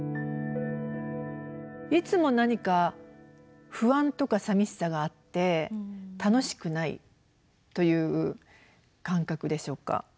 いつも何か不安とかさみしさがあって楽しくないという感覚でしょうか。